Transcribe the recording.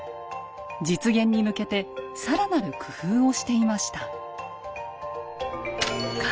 実現に向けてさらなる工夫をしていました。